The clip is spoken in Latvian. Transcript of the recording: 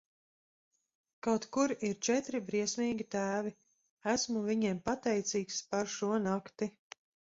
Kaut kur ir četri briesmīgi tēvi, esmu viņiem pateicīgs par šo nakti.